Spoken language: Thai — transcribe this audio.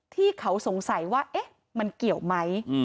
ที่เขาสงสัยว่ามันเกี่ยวไหม